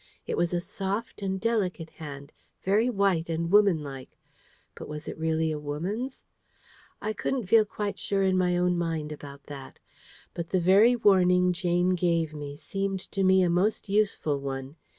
It was a soft and delicate hand, very white and womanlike. But was it really a woman's? I couldn't feel quite sure in my own mind about that; but the very warning Jane gave me seemed to me a most useful one.